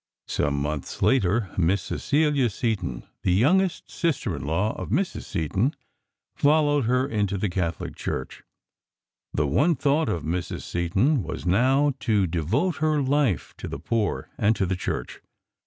Some months later Miss Cecilia Seton, the youngest sister in law of Mrs. Seton, followed her into the Catholic Church. The one thought of Mrs. Seton was now to devote her life to the poor and to the Church.